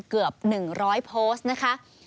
เกือบ๑๐๐โพสต์นะคะ